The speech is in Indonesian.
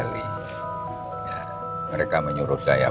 ricardo menurut saya